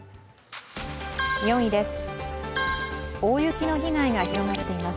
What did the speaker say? ４位です。